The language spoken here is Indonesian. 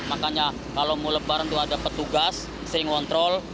makanya kalau mau lebaran tuh ada petugas sering ngontrol